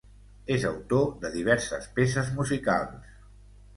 És autor de diverses peces musicals.